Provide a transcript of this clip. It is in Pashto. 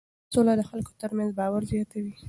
سوله د خلکو ترمنځ باور زیاتوي.